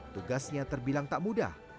tugasnya terbilang tak mudah